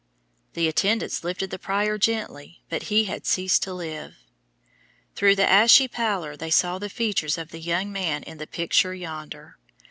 The attendants lifted the prior gently but he had ceased to live. Through the ashy pallor they saw the features of the young man in the picture yonder.